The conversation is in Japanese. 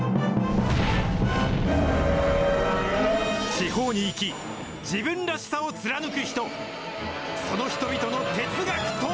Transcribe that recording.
地方に生き、自分らしさを貫く人、その人々の哲学とは。